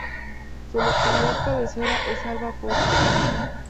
Su localidad cabecera es Alba Posse.